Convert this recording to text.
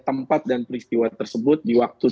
tempat dan peristiwa tersebut di waktu